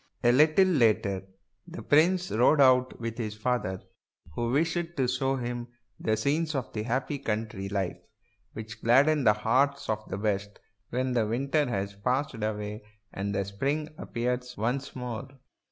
A little later the prince rode out with his father, who wished to show him the scenes of happy country life which gladden the hearts of the best when the winter has passed away and spring appears once more.